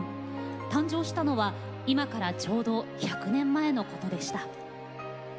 誕生したのは今からちょうど１００年前のことでした。